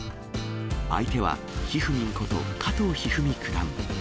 相手は、ひふみんこと加藤一二三九段。